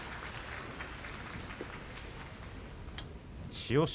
千代翔